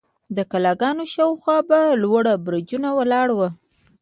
د کلاګانو شاوخوا به لوړ برجونه ولاړ وو.